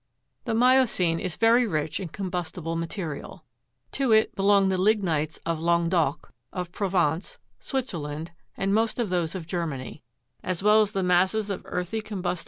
22. The miocene is very rich in combustible material ; to it belong the lignites of Languedoc, of Provence, Switzerland, and most of those of Germany as well as the masses of earthy com Fig.